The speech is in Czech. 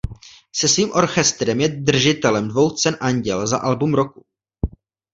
Se svým orchestrem je držitelem dvou cen Anděl za album roku.